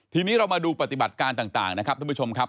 ทีนี้เรามาดูปฏิบัติการต่างนะครับท่านผู้ชมครับ